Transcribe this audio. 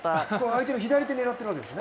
相手の左手を狙っているわけですね。